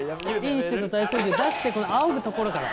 インしてた体操着出してこのあおぐところから。